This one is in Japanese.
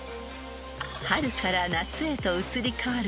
［春から夏へと移り変わる